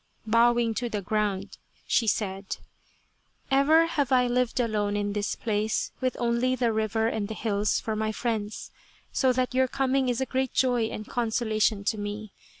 Bowing to the ground, she said :" Ever have I lived alone in this place with only the river and the hills for my friends. So that your coming is a great joy and consolation to me.